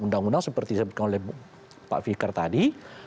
undang undang seperti yang dikatakan pak fikar tadi